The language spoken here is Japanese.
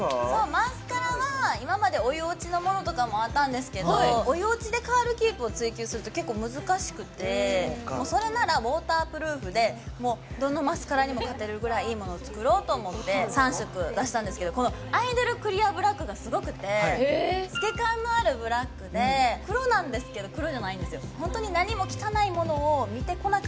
マスカラは今までお湯落ちのものとかもあったんですけどお湯落ちでカールキープを追求すると結構難しくてそれならウォータープルーフでもうどのマスカラにも勝てるぐらいいいものを作ろうと思って３色出したんですけどこのアイドルクリアブラックがすごくて透け感のあるブラックで黒なんですけど黒じゃないんですよ